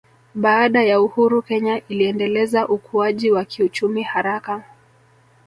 Baada ya uhuru Kenya iliendeleza ukuaji wa kiuchumi haraka